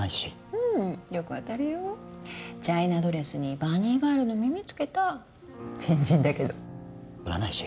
うんよく当たるよチャイナドレスにバニーガールの耳つけた変人だけど占い師？